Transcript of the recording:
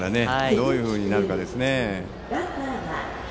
どういうふうになるかですね。